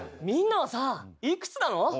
みんなはさいくつなの？